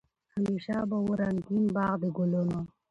همېشه به وو رنګین باغ د ګلونو